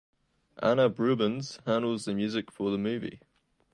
Anup Rubens handle the music for the movie.